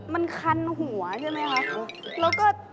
มันขันหัวใช่ไหมครับ